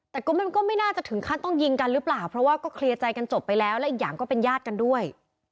แต่ก็มันก็ไม่น่าจะถึงขั้นต้องยิงกันหรือเปล่าเพราะว่าก็เคลียร์ใจกันจบไปแล้วและอีกอย่างก็เป็นญาติกันด้วย